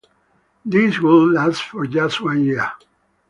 This would last for just one year.